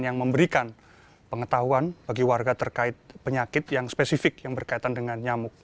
yang memberikan pengetahuan bagi warga terkait penyakit yang spesifik yang berkaitan dengan nyamuk